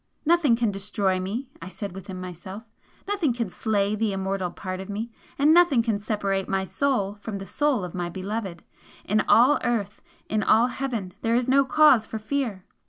"Nothing can destroy me!" I said within myself "Nothing can slay the immortal part of me, and nothing can separate my soul from the soul of my beloved! In all earth, in all heaven, there is no cause for fear!"